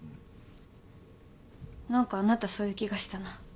何かあなたそう言う気がしたな。